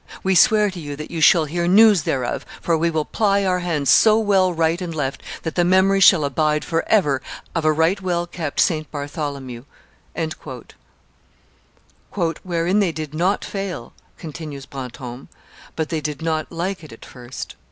We swear to you that you shall hear news thereof, for we will ply our hands so well right and left that the memory shall abide forever of a right well kept St. Bartholomew.'" "Wherein they did not fail," continues Brantome, "but they did not like it at first."